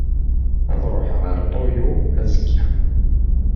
Ad ruḥeɣ ar Toyo azekka.